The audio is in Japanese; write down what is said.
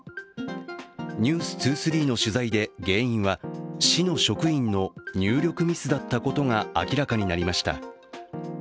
「ｎｅｗｓ２３」の取材で原因は市の職員の入力ミスだったことが明らかになりました。